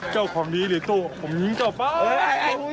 เจ้าความดีหรือตู้ผมยิงเจ้าเปล่า